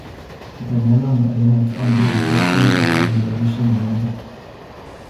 Die Benennung erinnert an die Entdeckung der Galileischen Monde.